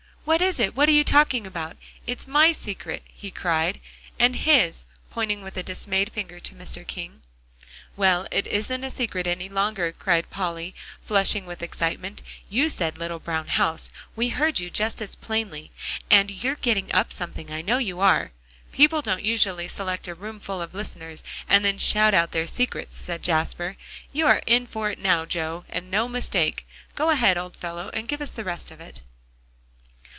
"What is it? What are you talking about? It's my secret," he cried, "and his," pointing with a dismayed finger to Mr. King. "Well, it isn't a secret any longer," cried Polly, flushing with excitement. "You said 'little brown house,' we heard you just as plainly; and you re getting up something, I know you are." "People don't usually select a roomful of listeners, and then shout out their secrets," said Jasper. "You are in for it now, Joe, and no mistake. Go ahead, old fellow, and give us the rest of it."